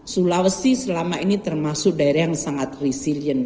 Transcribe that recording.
sulawesi selama ini termasuk daerah yang sangat resilient